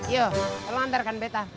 yo lo antarkan beta